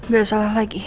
gak salah lagi